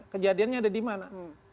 kejadiannya ada di mana